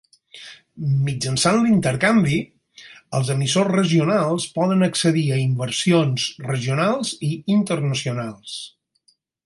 Mitjançant l'intercanvi, els emissors regionals poden accedir a inversions regionals i internacionals.